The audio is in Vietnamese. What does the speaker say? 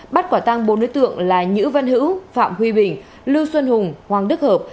bắt quả tăng bốn đối tượng là nhữ văn hữu phạm huy bình lưu xuân hùng hoàng đức hợp